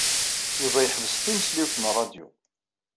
Yuba yeḥbes timesliwt n ṛṛadyu.